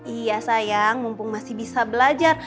iya sayang mumpung masih bisa belajar